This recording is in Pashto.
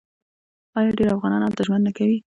آیا ډیر افغانان هلته ژوند نه کوي؟